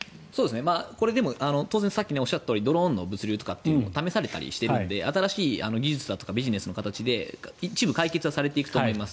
これ、当然さっきおっしゃったようにドローンの物流とか試されたりしているので新しい技術とかビジネスの形で一部、解決はされていくと思います。